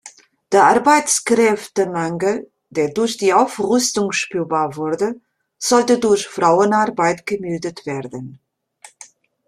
Der Arbeitskräftemangel, der durch die Aufrüstung spürbar wurde, sollte durch Frauenarbeit gemildert werden.